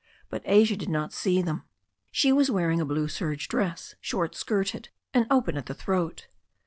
But Asia did not see them. She was wearing a blue serge dress, short skirted and open at the throat.